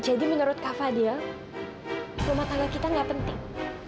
jadi menurut kak fadil rumah tangga kita enggak penting